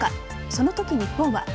そのとき日本は。